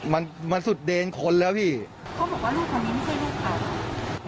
มันมันสุดเดนคนแล้วพี่เขาบอกว่าลูกคนนี้ไม่ใช่ลูกเขา